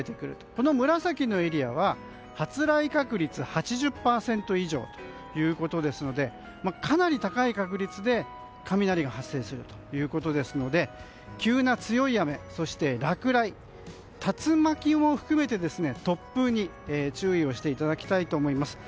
この紫のエリアは発雷確率８０％以上ですのでかなり高い確率で雷が発生するということですので急な強い雨、そして落雷竜巻も含めて突風に注意をしていただきたいと思います。